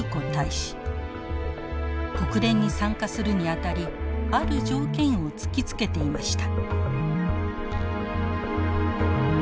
国連に参加するにあたりある条件を突きつけていました。